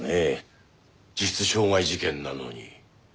実質傷害事件なのに。